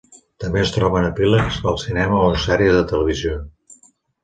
També es troben epílegs al cinema o en sèries de televisió.